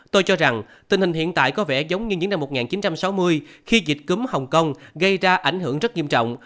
tôi cho rằng tình hình hiện tại có vẻ giống như những năm một nghìn chín trăm sáu mươi khi dịch cúm hồng kông gây ra ảnh hưởng rất nghiêm trọng